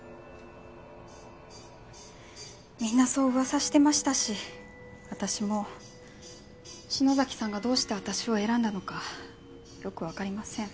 みんなそう噂してましたし私も篠崎さんがどうして私を選んだのかよくわかりません。